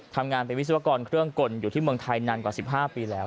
ทำงานเป็นวิศวกรเครื่องกลอยู่ที่เมืองไทยนานกว่า๑๕ปีแล้ว